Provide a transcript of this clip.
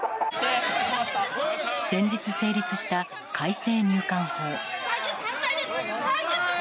先日、成立した改正入管法。